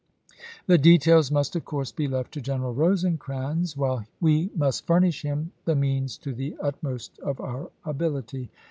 The details must, of course, be left to General Rosecrans, while we must furnish him the means to the utmost of our ability.